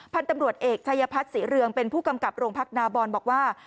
พันธุ์ตำรวจเอกชายพัฒน์ศรีเรืองเป็นผู้กำกับโรงพักนาบอนบอกว่า